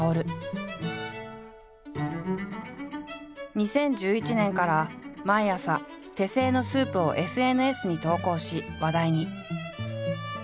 ２０１１年から毎朝手製のスープをＳＮＳに投稿し話題に。